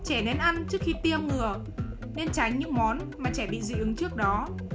trẻ nên ăn trước khi tiêm ngừa nên tránh những món mà trẻ bị dị ứng trước đó